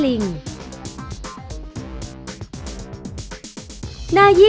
จุดที่๓รวมภาพธนบัตรที่๙